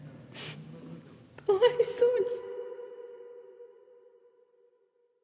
かわいそうに。